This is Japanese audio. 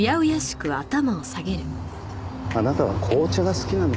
あなたは紅茶が好きなのか？